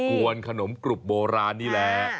วนขนมกรุบโบราณนี่แหละ